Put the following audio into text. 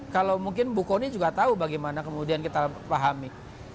kalau mungkin bu kony juga tahu bagaimana kemudian kita pahami